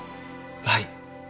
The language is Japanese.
はい。